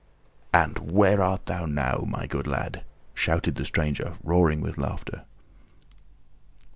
"And where art thou now, my good lad?" shouted the stranger, roaring with laughter.